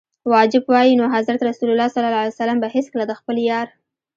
واجب وای نو حضرت رسول ص به هیڅکله د خپل یار.